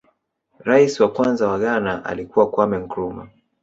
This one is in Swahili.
rais wa kwanza wa ghana alikuwa kwame nkurumah